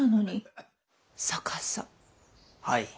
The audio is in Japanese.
はい。